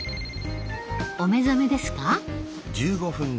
お目覚めですか？